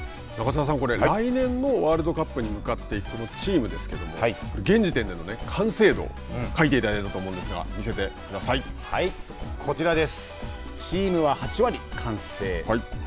中澤さん、ワールドカップに向かっていくチームですけども現時点での完成度を書いていただいたと思うんですがこちらです。